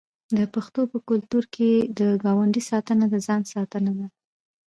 د پښتنو په کلتور کې د ګاونډي ساتنه د ځان ساتنه ده.